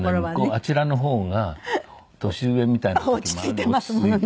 あちらの方が年上みたいな時もあるの落ち着いていて。